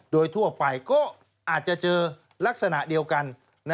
โดยทั่วไปก็อาจจะเจอลักษณะเดียวกัน